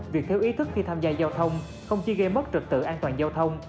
việc thiếu ý thức khi tham gia giao thông không chỉ gây mất trật tựa an toàn giao thông